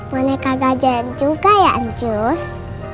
moneka gajah juga ya anjus